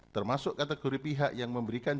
termasuk kategori pihak yang memberikan